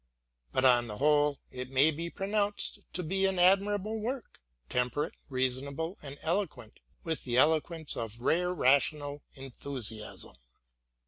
But on the whole it may be pronounced to be an admirable work — temperate, reasonable, and eloquent with the eloquence of really rational enthusiasm.